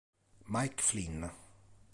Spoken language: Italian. Mike Flynn